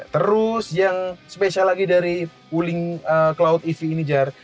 terus yang spesial lagi dari wuling cloud ev ini jar